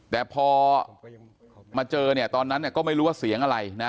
แต่พอมาเจอเนี่ยตอนนั้นก็ไม่รู้ว่าเสียงอะไรนะ